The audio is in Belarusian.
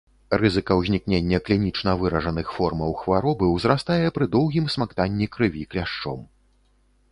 Рызыка ўзнікнення клінічна выражаных формаў хваробы ўзрастае пры доўгім смактанні крыві кляшчом.